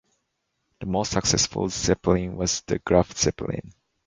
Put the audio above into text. The most successful Zeppelin was the Graf Zeppelin.